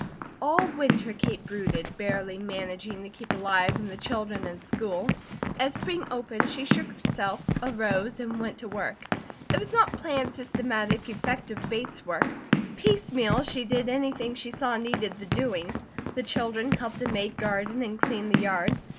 All winter Kate brooded, barely managing to keep alive, and the children in school. As spring opened, she shook herself, arose, and went to work. It was not planned, systematic, effective, Bates work. Piecemeal she did anything she saw needed the doing. The children helped to make garden and clean the yard.